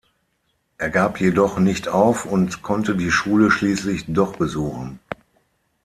Er gab jedoch nicht auf und konnte die Schule schließlich doch besuchen.